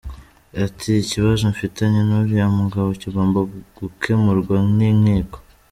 Ati"Ikibazo mfitanye n’uriya mugabo kigomba gukemurwa n’inkiko.